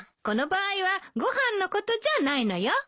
この場合はご飯のことじゃないのよ。